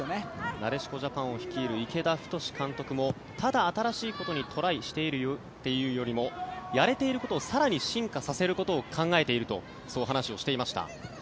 なでしこジャパンを率いる池田太監督もただ新しいことにトライしているというよりもやれていることを更に進化させることを考えているとそう話をしていました。